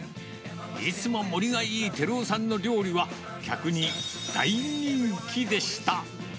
いつも盛りがいい輝男さんの料理は、客に大人気でした。